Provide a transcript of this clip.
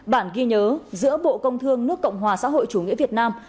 một mươi chín bản ghi nhớ giữa bộ công thương nước cộng hòa xã hội chủ nghĩa việt nam